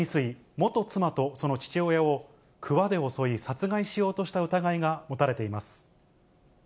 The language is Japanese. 元妻とその父親をくわで襲い、殺害しようとした疑いが持たれています。